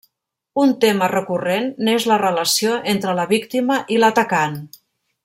Un tema recurrent n'és la relació entre la víctima i l'atacant.